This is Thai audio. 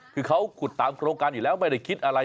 คือเขาขุดตามโครงการอยู่แล้วไม่ได้คิดอะไร